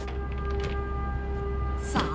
さあ